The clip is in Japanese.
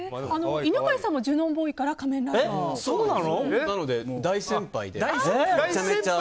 犬飼さんもジュノンボーイから「仮面ライダー」。